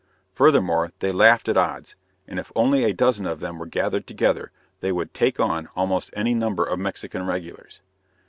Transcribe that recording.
Furthermore, they laughed at odds, and if only a dozen of them were gathered together they would "take on" almost any number of Mexican regulars.